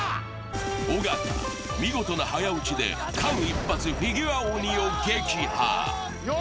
尾形、見事な早撃ちで間一髪フィギュア鬼を撃破。